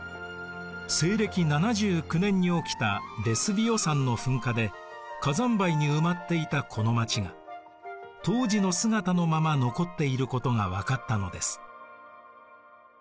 西暦７９年に起きたヴェスヴィオ山の噴火で火山灰に埋まっていたこの町が当時の姿のまま残っていることが分かったのです。